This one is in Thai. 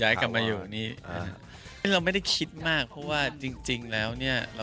กลับมาอยู่นี่เราไม่ได้คิดมากเพราะว่าจริงจริงแล้วเนี่ย